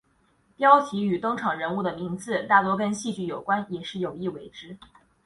标题与登场人物的名字大多跟戏剧有关也是有意为之。